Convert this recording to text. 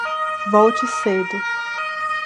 Volte cedo